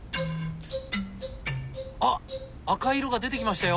あっ赤い色が出てきましたよ！